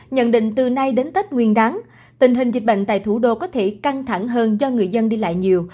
nhận định từ nay đến tết nguyên đáng tình hình dịch bệnh tại thủ đô có thể căng thẳng hơn cho người dân đi lại nhiều